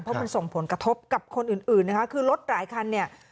เพราะมันส่งผลกระทบกับคนอื่นอื่นนะคะคือรถหลายคันเนี่ย